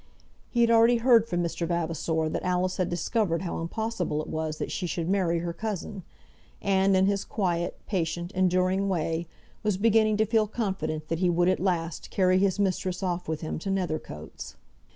He had already heard from Mr. Vavasor that Alice had discovered how impossible it was that she should marry her cousin, and, in his quiet, patient, enduring way, was beginning to feel confident that he would, at last, carry his mistress off with him to Nethercoats.